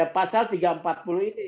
pasal tiga ratus empat puluh ini